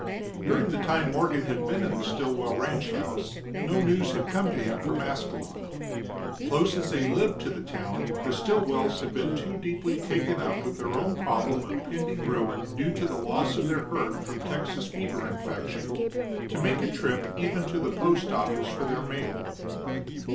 During the time Morgan had been in the Stilwell ranchhouse no news had come to him from Ascalon. Close as they lived to the town, the Stilwells had been too deeply taken up with their own problem of pending ruin due to the loss of their herd from Texas fever infection, to make a trip even to the post office for their mail.